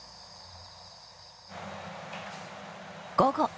午後。